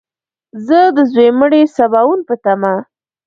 زه د ځوی مړي سباوون په تمه !